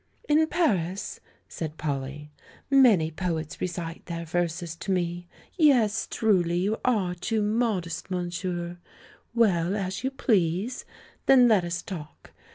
"In Paris," said Polly, "many poets recite their verses to me. Yes, truly, you are too mod est, monsieur. Well, as you please; then let us talk!